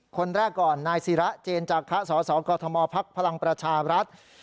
คนแรกก่อนนายสีระเจนจากศสกฐมภพพลังประชารัฐ